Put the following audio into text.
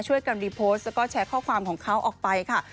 การรีโพสต์แล้วก็แชร์ข้อความของเขาออกไปค่ะ